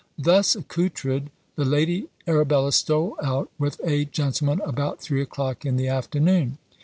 Thus accoutred, the Lady Arabella stole out with a gentleman about three o'clock in the afternoon.